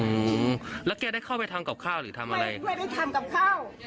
อืมแล้วแกได้เข้าไปทำกับข้าวหรือทำอะไรไม่ได้ทำกับข้าว